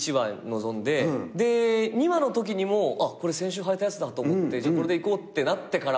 で２話のときにもこれ先週はいたやつだと思ってこれで行こうってなってからは。